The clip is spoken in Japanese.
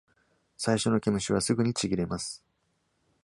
最初の毛虫はすぐにちぎれます。